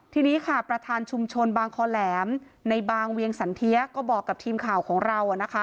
ทีนี้ค่ะประธานชุมชนบางคอแหลมในบางเวียงสันเทียก็บอกกับทีมข่าวของเรา